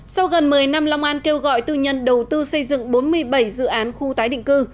sau gần một mươi năm long an kêu gọi tư nhân đầu tư xây dựng bốn mươi bảy dự án khu tái định cư